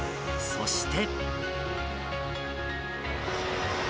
そして。